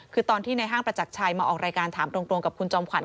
คือตอนที่ในห้างประจักรชัยมาออกรายการถามตรงกับคุณจอมขวั